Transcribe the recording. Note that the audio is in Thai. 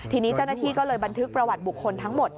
ทีนี้เจ้าหน้าที่ก็เลยบันทึกประวัติบุคคลทั้งหมด